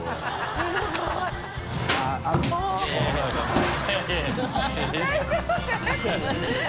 大丈夫？